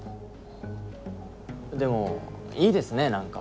でもいいですね何か。